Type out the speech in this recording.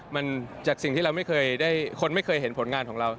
มันจากสิ่งที่คนไม่เคยเห็นผลงานของเรา